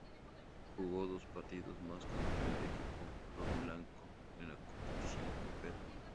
Jugó dos partidos más con el primer equipo rojiblanco en la competición copera.